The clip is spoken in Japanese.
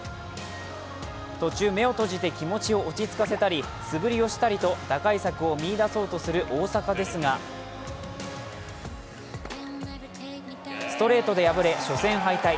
途中、目を閉じて気持ちを落ち着かせたり素振りをしたりと打開策を見いだそうとする大坂ですがストレートで敗れ、初戦敗退。